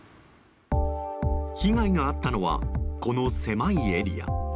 被害があったのはこの狭いエリア。